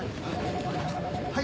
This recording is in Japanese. はい。